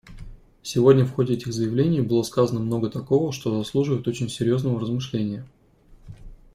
Сегодня в ходе этих заявлений было сказано много такого, что заслуживает очень серьезного размышления.